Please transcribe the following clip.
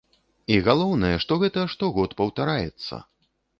І галоўнае, што гэта штогод паўтараецца!